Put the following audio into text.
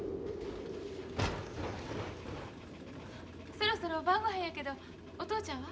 そろそろ晩ごはんやけどお父ちゃんは？